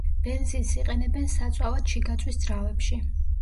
ბენზინს იყენებენ საწვავად შიგაწვის ძრავებში.